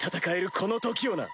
この時をな！